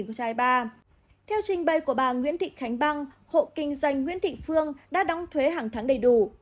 theo trình bày của bà nguyễn thị khánh băng hộ kinh doanh nguyễn thị phương đã đóng thuế hàng tháng đầy đủ